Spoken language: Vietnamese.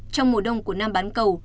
trong mùa đông của nam bán cầu